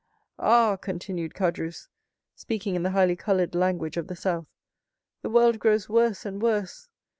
Ah," continued Caderousse, speaking in the highly colored language of the South, "the world grows worse and worse.